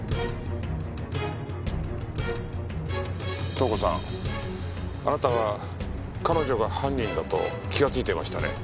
透子さんあなたは彼女が犯人だと気がついていましたね？